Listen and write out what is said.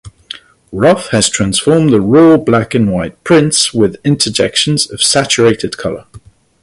Ruff has transformed the raw black and white prints with interjections of saturated colour.